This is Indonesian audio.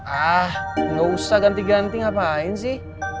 ah nggak usah ganti ganti ngapain sih